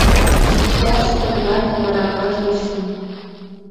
Кӓрш кӹл ганьы мыра каждый шӱн.